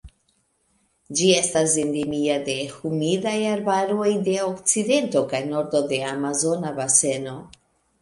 Ĝi estas endemia de humidaj arbaroj de okcidento kaj nordo de Amazona Baseno.